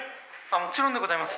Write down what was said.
もちろんでございます。